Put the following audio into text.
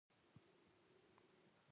دوی نوري فایبر غځوي.